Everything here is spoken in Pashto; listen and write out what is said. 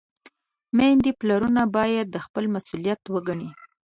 میندې، پلرونه باید دا خپل مسؤلیت وګڼي.